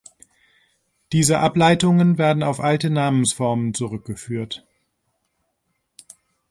Diese Ableitungen werden auf alte Namensformen zurückgeführt.